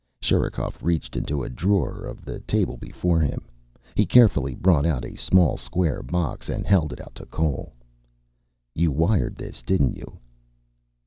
Sherikov reached into a drawer of the table before him. He carefully brought out a small square box and held it out to Cole. "You wired this, didn't you?"